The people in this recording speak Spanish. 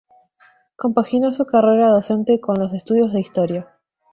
Compaginó su carrera docente con los estudios de Historia.